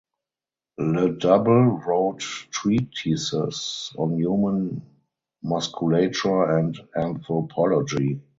Le Double wrote treatises on human musculature and anthropology.